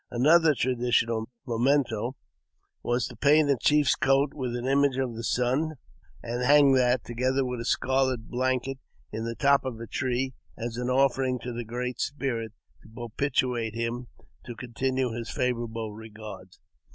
Another traditional memento was to paint a chief's coat with an image of the sun, and hang that, together with a scarlet blanket, in the top of a tree, as an offering to the Great Spirit, to propitiate him to continue his favourable regards.